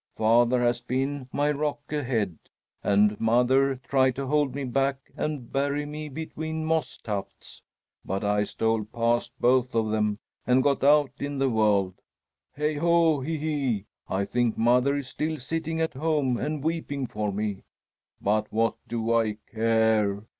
Father has been my rock ahead, and mother tried to hold me back and bury me between moss tufts, but I stole past both of them and got out in the world. Hay ho, hi, hi! I think mother is still sitting at home and weeping for me. But what do I care!